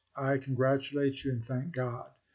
I congratulate you and thank Grod.